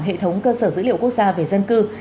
hệ thống cơ sở dữ liệu quốc gia về dân cư